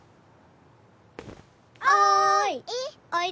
おい！